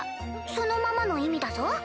そのままの意味だぞ？